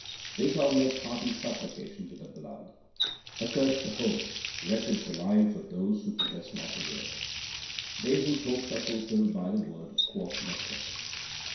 They shall make hearty supplication to the Beloved. Accursed the homes, wretched the lives of those who possess not the Word. They whose hopes are fulfilled by the Word quaff nectar.